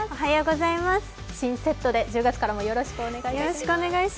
新セットで１０月からもよろしくお願いします。